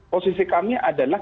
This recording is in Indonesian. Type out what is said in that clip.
posisi kami adalah